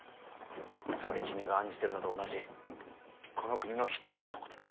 つまり君が案じてるのと同じこの国の人々のことだよ。